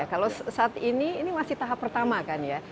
kalau saat ini ini masih tahap pertama kan ya